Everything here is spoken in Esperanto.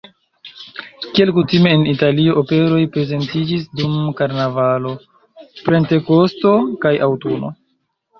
Kiel kutime en Italio, operoj prezentiĝis dum karnavalo, pentekosto kaj aŭtuno.